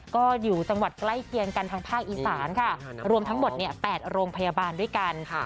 ก็อยู่จังหวัดใกล้เคียงกันทางภาคอีสานค่ะรวมทั้งหมด๘โรงพยาบาลด้วยกัน